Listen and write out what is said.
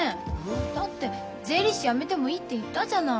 だって税理士やめてもいいって言ったじゃない。